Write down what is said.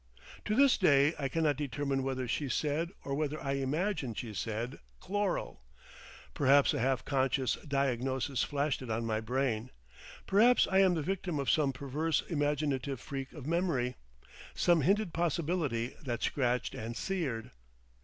To this day I cannot determine whether she said or whether I imagined she said "chloral." Perhaps a half conscious diagnosis flashed it on my brain. Perhaps I am the victim of some perverse imaginative freak of memory, some hinted possibility that scratched and seared.